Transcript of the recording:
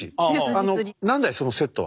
何だいそのセットは。